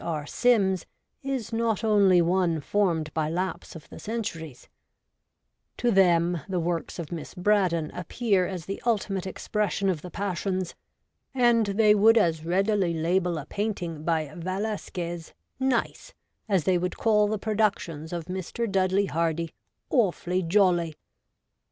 R. Sims is not only one formed by lapse of the centuries : to them the works of Miss Braddon appear as the ultimate expression of the passions, and they would as readily label a painting by Velasquez ' nice ' as they would call the productions of Mr. Dudley Hardy ' awfully jolly.'